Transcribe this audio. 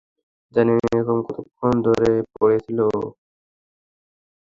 জানি না এরকম কতক্ষণ ধরে পরে ছিল ও!